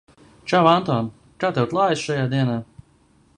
Čau, Anton! Kā tev klājas šajā dienā?